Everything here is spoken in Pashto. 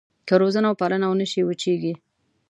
که روزنه وپالنه ونه شي وچېږي.